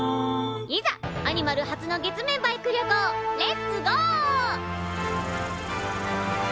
いざアニマル初の月面バイク旅行レッツゴー！